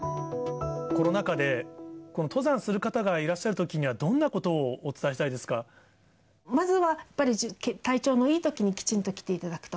コロナ禍でこの登山する方がいらっしゃるときには、まずはやっぱり体調のいいときにきちんと来ていただくと。